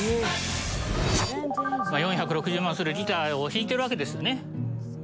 ４６０万するギターを弾いてるわけですね。